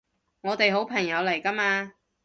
我哋好朋友嚟㗎嘛